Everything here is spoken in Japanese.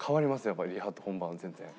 やっぱりリハと本番は全然。